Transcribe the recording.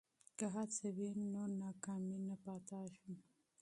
که هڅه وي نو ناکامي نه پاتیږي.